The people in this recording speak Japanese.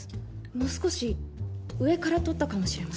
もう少し上から撮ったかもしれません